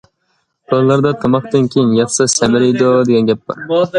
كونىلاردا‹‹ تاماقتىن كېيىن ياتسا سەمرىيدۇ›› دېگەن گەپ بار.